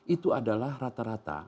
itu adalah rata rata